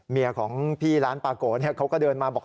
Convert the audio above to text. เมียของพี่ร้านปาโกะเขาก็เดินมาบอก